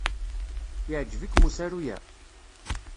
Yeɛjeb-ikem usaru-a?